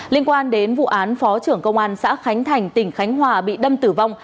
liên quan đến vụ án phó trưởng công an xã khánh thành tỉnh khánh hòa bị đâm tử vong